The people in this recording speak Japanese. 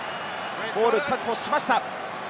ボールを確保しました。